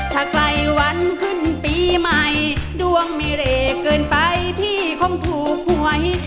ถ้าไกลวันขึ้นปีใหม่ดวงมีเรกเกินไปพี่คงถูกหวย